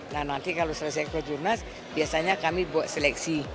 nah nanti kalau selesai ke jurnas biasanya kami bawa seleksi